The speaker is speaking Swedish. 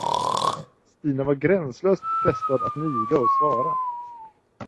Stina var gränslöst frestad att niga och svara.